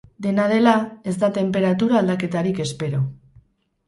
Dena dela, ez da tenperatura aldaketarik espero.